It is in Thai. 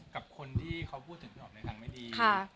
กับคนที่เขาพูดถึงพี่หอมไม่ดี